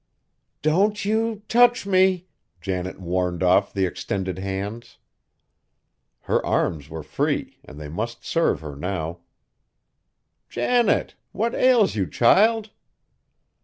"Don't you touch me!" Janet warned off the extended hands. Her arms were free, and they must serve her now. "Janet! What ails you, child?"